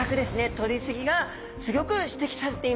とりすぎがすギョく指摘されています。